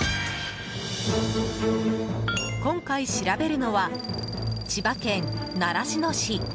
今回、調べるのは千葉県習志野市。